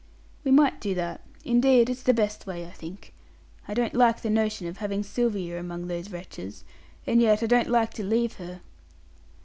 "We might do that. Indeed, it's the best way, I think. I don't like the notion of having Sylvia among those wretches, and yet I don't like to leave her."